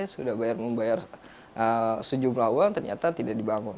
sudah membayar sejumlah uang ternyata tidak dibangun